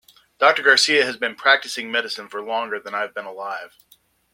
Doctor Garcia has been practicing medicine for longer than I have been alive.